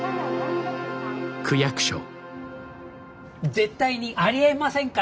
絶対にありえませんか？